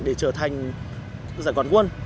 để trở thành giải quán quân